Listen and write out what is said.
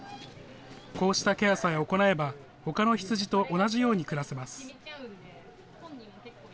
こうしたケアさえ行えば、ほかの羊と同じように暮らせます。